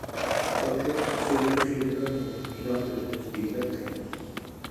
«تاتلىق» سۆزدە قىينىدىڭ مېنى، «ئىناق ئۆتىمىز» دېگىنىڭ قېنى؟ !